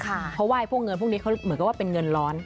เพราะว่าพวกเงินพวกนี้เขาเหมือนกับว่าเป็นเงินร้อน